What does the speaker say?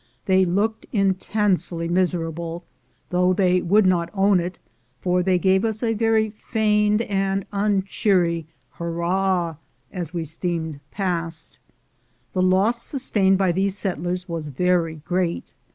They looked intensely miserable, though they would not own it, for they gave us a very feigned and uncheery hurrah as we steamed past. The loss sustained by these settlers was very great.